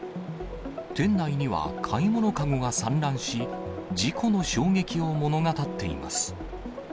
店内には、買い物籠が散乱し、事故の衝撃を物語っています。